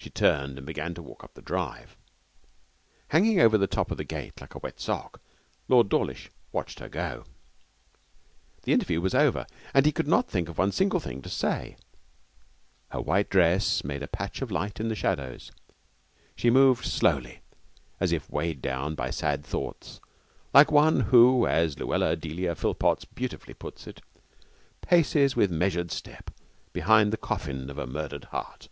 She turned and began to walk up the drive. Hanging over the top of the gate like a wet sock, Lord Dawlish watched her go. The interview was over, and he could not think of one single thing to say. Her white dress made a patch of light in the shadows. She moved slowly, as if weighed down by sad thoughts, like one who, as Luella Delia Philpotts beautifully puts it, paces with measured step behind the coffin of a murdered heart.